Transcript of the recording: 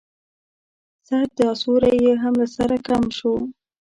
د سر دا سيوری يې هم له سره کم شو.